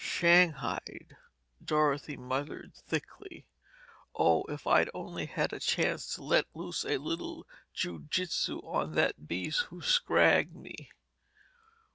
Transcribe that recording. "Shanghied!" Dorothy muttered thickly. "Oh, if I'd only had a chance to let loose a little jiu jitsu on that beast who scragged me!"